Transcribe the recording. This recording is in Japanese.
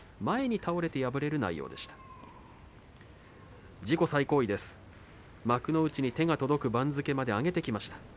前に倒れて敗れる内容でした。